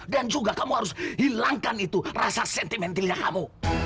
dan juga kamu harus hilangkan itu rasa sentimentalnya kamu